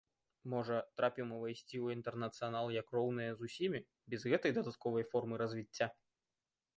Можа, трапім увайсці ў інтэрнацыянал як роўныя з усімі, без гэтай дадатковай формы развіцця!